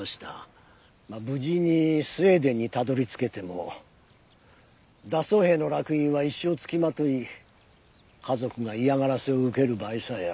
まあ無事にスウェーデンにたどり着けても脱走兵の烙印は一生つきまとい家族が嫌がらせを受ける場合さえある。